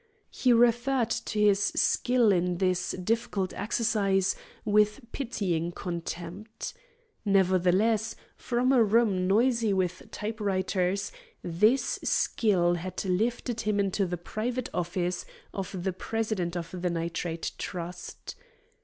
He referred to his skill in this difficult exercise with pitying contempt. Nevertheless, from a room noisy with type writers this skill had lifted him into the private office of the president of the Nitrate Trust.